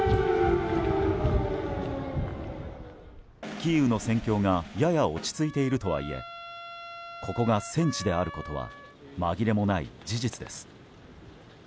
キーウの戦況がやや落ち着いているとはいえここが戦地であることは紛れもない事実です。